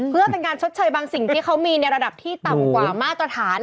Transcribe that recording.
เพื่อเป็นการชดเชยบางสิ่งที่เขามีในระดับที่ต่ำกว่ามาตรฐาน